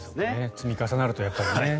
積み重なるとやっぱりね。